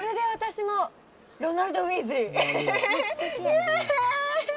イエーイ！